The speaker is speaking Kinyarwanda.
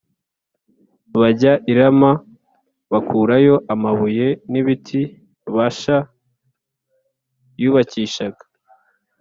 bajya i Rama bakurayo amabuye n’ibiti Bāsha yubakishaga